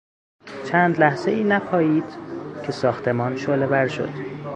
چند لحظهای نپایید که ساختمان شعلهور شد.